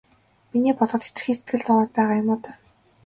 Миний бодоход хэтэрхий сэтгэл зовоод байгаа юм уу даа.